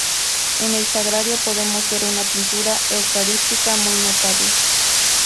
En el sagrario podemos ver una pintura eucarística muy notable.